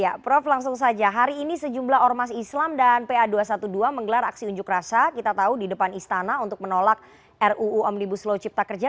ya prof langsung saja hari ini sejumlah ormas islam dan pa dua ratus dua belas menggelar aksi unjuk rasa kita tahu di depan istana untuk menolak ruu omnibus law cipta kerja